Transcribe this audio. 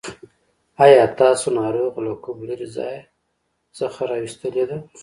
آيا تاسو ناروغه له کوم لرې ځای څخه راوستلې ده.